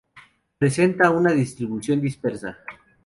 Presenta una distribución dispersa.